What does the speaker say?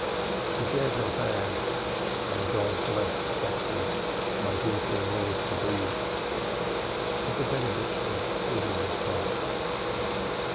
He dared not add and God bless your Bessie, my daughter in law to be; but the benediction was in his heart.